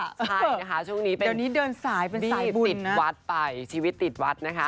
ใช่นะคะช่วงนี้เป็นบี้ติดวัดไปชีวิตติดวัดนะคะ